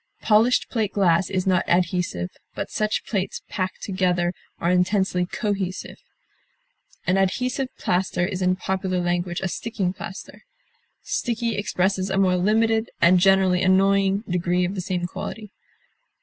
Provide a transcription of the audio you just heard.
Polished plate glass is not adhesive, but such plates packed together are intensely cohesive. An adhesive plaster is in popular language a sticking plaster. Sticky expresses a more limited, and generally annoying, degree of the same quality.